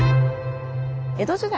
江戸時代